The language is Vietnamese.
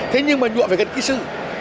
thế nhưng mà nhuộm phải gần kỹ sư